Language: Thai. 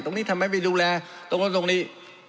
ตรงนี้ทำไมไม่ดูแลตรงนู้นตรงนี้